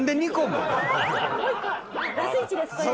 もう１個ラス１ですこれ。